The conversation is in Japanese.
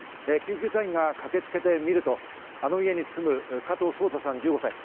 救急隊員が駆けつけてみると、あの家に住む加藤颯太さん、１５歳。